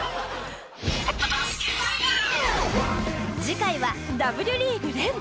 次回はＷリーグ連覇！